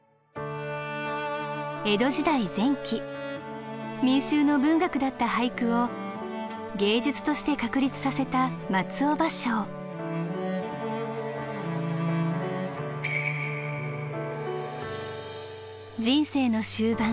江戸時代前期民衆の文学だった俳句を芸術として確立させた人生の終盤